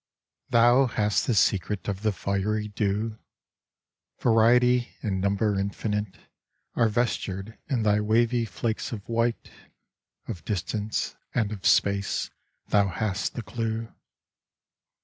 Thou hast the secret of the fiery dew, Variety and number infinite Are vestured in thy wavy flakes of white, Of distance and of space thou hast the clue.